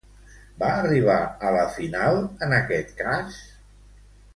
Va arribar a la final, en aquest cas?